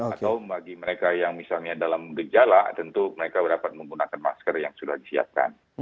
atau bagi mereka yang misalnya dalam gejala tentu mereka dapat menggunakan masker yang sudah disiapkan